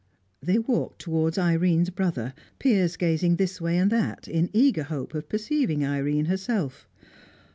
They walked towards Irene's brother, Piers gazing this way and that in eager hope of perceiving Irene herself.